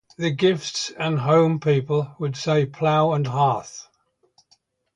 The Gifts and Home people would say Plow and Hearth.